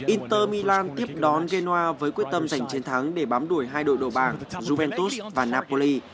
inter milan tiếp đón genoa với quyết tâm giành chiến thắng để bám đuổi hai đội đầu bang juventus và napoli